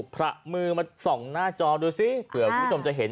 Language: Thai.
พระมือมาส่องหน้าจอดูซิเผื่อคุณผู้ชมจะเห็น